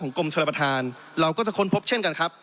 กรมชลประธานเราก็จะค้นพบเช่นกันครับ